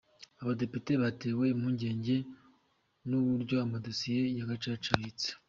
Abadepite batewe impungenge n’uburyo amadosiye ya Gacaca abitse